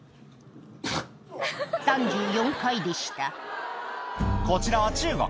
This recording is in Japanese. ３４回でしたこちらは中国